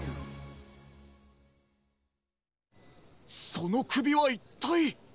そのくびはいったい。